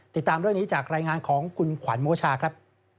ติดตามเรื่องนี้จากรายงานของคุณขวัญโมชาครับ